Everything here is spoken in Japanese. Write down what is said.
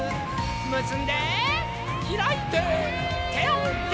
むすんでひらいててをうって。